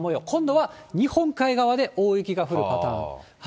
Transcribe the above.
今度は日本海側で大雪が降るパターン。